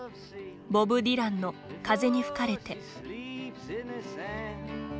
ボブ・ディランの「風に吹かれて」。